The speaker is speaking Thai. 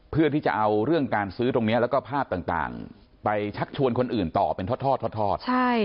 เพื่อที่จะเอาเรื่องการซื้อตรงนี้แล้วก็ภาพต่างไปชักชวนคนอื่นต่อเป็นทอด